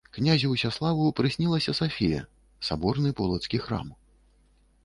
Князю Усяславу прыснілася Сафія, саборны полацкі храм.